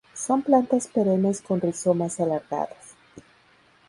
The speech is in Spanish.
Son plantas perennes con rizomas alargados.